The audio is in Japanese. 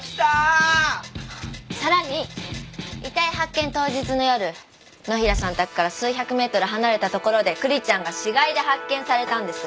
さらに遺体発見当日の夜野平さん宅から数百ｍ離れたところでクリちゃんが死骸で発見されたんです。